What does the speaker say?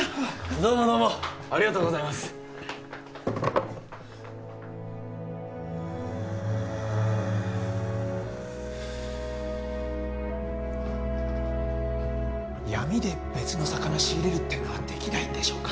どうもどうもありがとうございますうう闇で別の魚仕入れるってのはできないんでしょうか？